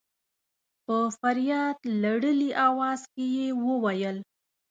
په فرياد لړلي اواز کې يې وويل.